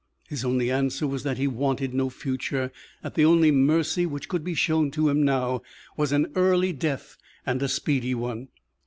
His only answer was that he wanted no future; that the only mercy which could be shown to him now, was an early death and a speedy one.